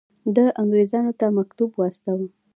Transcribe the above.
ده انګرېزانو ته مکتوب واستاوه.